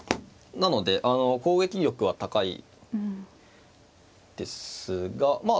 なので攻撃力は高いですがまあ